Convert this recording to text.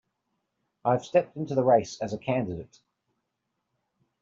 I have stepped into the race as a candidate.